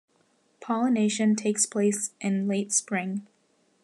Pollination takes place in late spring.